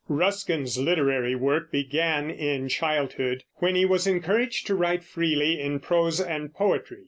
Ruskin's literary work began in childhood, when he was encouraged to write freely in prose and poetry.